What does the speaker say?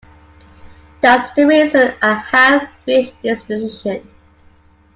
That's the reason I have reached this decision.